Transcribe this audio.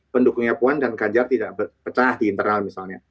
pendukungnya puan dan ganjar tidak berpecah di internal misalnya